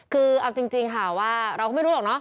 คือเอาจริงค่ะว่าเราก็ไม่รู้หรอกเนอ